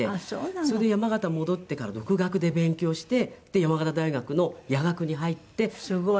それで山形に戻ってから独学で勉強してで山形大学の夜学に入って。